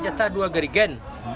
ini kita dapat dua gerigen